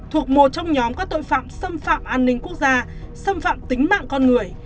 thuộc một trong nhóm các tội phạm xâm phạm an ninh quốc gia xâm phạm tính mạng con người